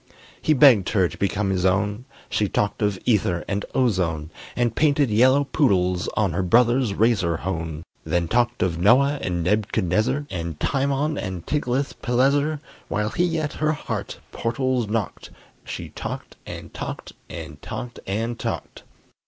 He begged her to become his own; She talked of ether and ozone, And painted yellow poodles on Her brother's razor hone; Then talked of Noah and Neb'chadnezzar, And Timon and Tiglath pileser While he at her heart portals knocked, She talked and talked and talked and talked!